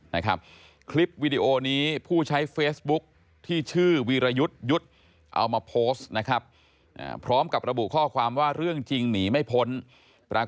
นั่งมาด้วยแต่หนูบอกให้เค้าจอดแต่เค้ากินเบียนมาห่วง